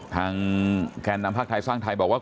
แกนนำภาคไทยสร้างไทยบอกว่า